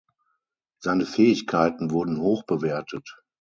Seine Fähigkeiten wurden hoch bewertet.